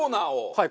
はい。